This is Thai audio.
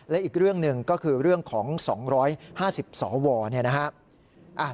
และอีกเรื่องหนึ่งก็คือเรื่องของ๒๕๐สวเนี่ยนะครับ